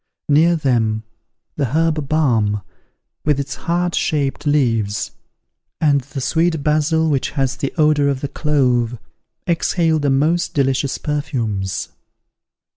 Near them, the herb balm, with its heart shaped leaves, and the sweet basil, which has the odour of the clove, exhaled the most delicious perfumes.